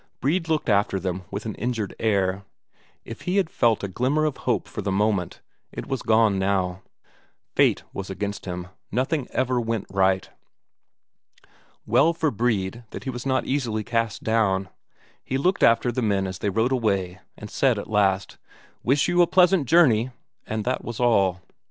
Brede looked after them with an injured air. If he had felt a glimmer of hope for the moment, it was gone now; fate was against him, nothing ever went right. Well for Brede that he was not easily cast down; he looked after the men as they rode away, and said at last: "Wish you a pleasant journey!" And that was all.